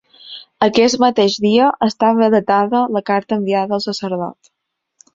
Aquest mateix dia estava datada la carta enviada al sacerdot.